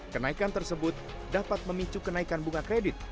kenaikan tersebut dapat memicu kenaikan bunga kredit